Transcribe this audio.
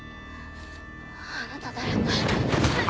あなた誰。